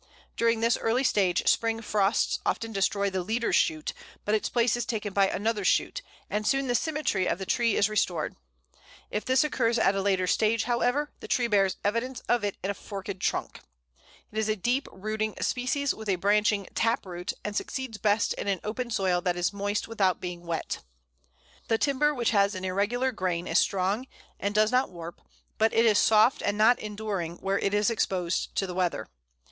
During this early stage spring frosts often destroy the leader shoot, but its place is taken by another shoot; and soon the symmetry of the tree is restored. If this occurs at a later stage, however, the tree bears evidence of it in a forked trunk. It is a deep rooting species, with a branching tap root, and succeeds best in an open soil that is moist without being wet. [Illustration: Pl. 158. Bole of Silver Fir.] The timber, which has an irregular grain, is strong, and does not warp; but it is soft, and not enduring where it is exposed to the weather.